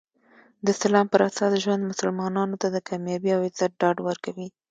د اسلام پراساس ژوند مسلمانانو ته د کامیابي او عزت ډاډ ورکوي.